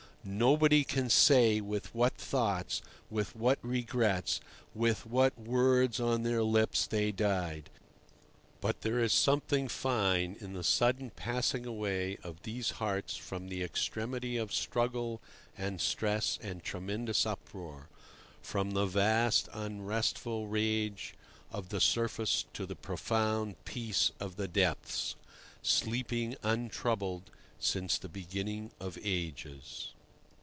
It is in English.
Nobody can say with what thoughts, with what regrets, with what words on their lips they died. But there is something fine in the sudden passing away of these hearts from the extremity of struggle and stress and tremendous uproar—from the vast, unrestful rage of the surface to the profound peace of the depths, sleeping untroubled since the beginning of ages.